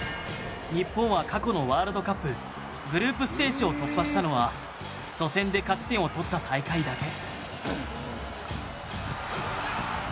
日本は過去のワールドカップグループステージを突破したのは初戦で勝ち点を取った大会だけ。